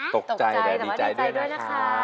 ตกใจแต่ว่าดีใจด้วยนะคะ